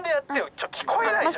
ちょっと聞こえないじゃん。